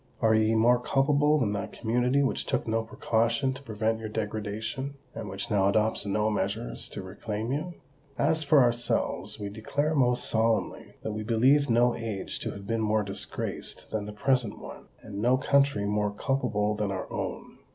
are ye more culpable than that community which took no precaution to prevent your degradation, and which now adopts no measures to reclaim you? As for ourselves, we declare most solemnly that we believe no age to have been more disgraced than the present one, and no country more culpable than our own.